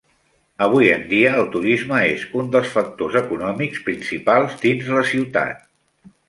Avui en dia, el turisme és un dels factors econòmics principals dins la ciutat.